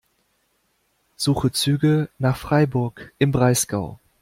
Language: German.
Suche Züge nach Freiburg im Breisgau.